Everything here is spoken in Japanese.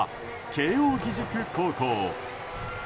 慶應義塾高校。